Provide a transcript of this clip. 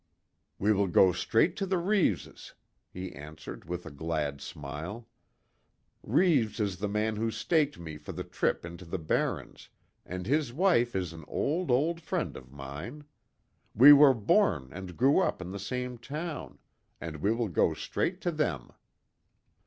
"We will go straight to the Reeves," he answered, with a glad smile. "Reeves is the man who staked me for the trip into the barrens, and his wife is an old, old friend of mine. We were born and grew up in the same town, and we will go straight to them."